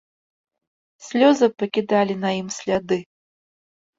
Слёзы пакідалі на ім сляды.